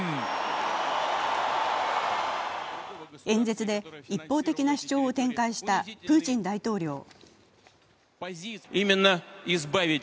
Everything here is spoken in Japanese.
演説で一方的な主張を展開したプーチン大統領。